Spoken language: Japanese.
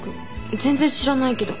全然知らないけど。